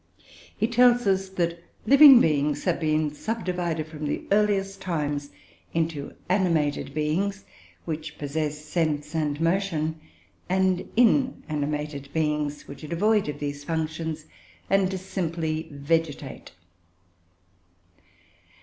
He tells us that living beings have been subdivided from the earliest times into animated beings, which possess sense and motion, and inanimated beings, which are devoid of these functions and simply vegetate.